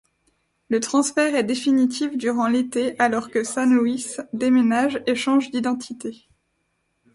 Le transfert est définitif durant l'été alors que San Luis déménage et change d'identité.